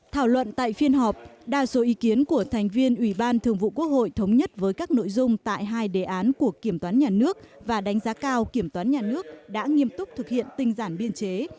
thảo luận tại phiên họp đa số ý kiến của thành viên ủy ban thường vụ quốc hội thống nhất với các nội dung tại hai đề án của kiểm toán nhà nước và đánh giá cao kiểm toán nhà nước đã nghiêm túc thực hiện tinh giản biên chế